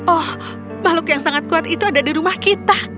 oh makhluk yang sangat kuat itu ada di rumah kita